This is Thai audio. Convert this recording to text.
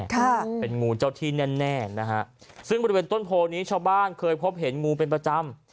ค่ะเป็นงูเจ้าที่แน่แน่นะฮะซึ่งบริเวณต้นโพนี้ชาวบ้านเคยพบเห็นงูเป็นประจำ